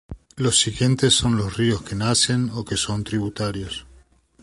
Los siguientes son los ríos que nacen o que son tributarios.